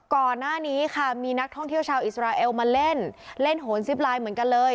ก่อนหน้านี้ค่ะมีนักท่องเที่ยวชาวอิสราเอลมาเล่นเล่นโหนซิปไลน์เหมือนกันเลย